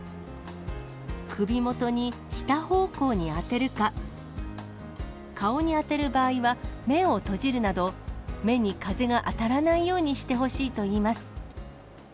首元に下方向に当てるか、顔に当てる場合は、目を閉じるなど、目に風が当たらないようにしてほしいといいます。